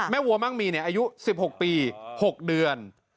วัวมั่งมีอายุ๑๖ปี๖เดือน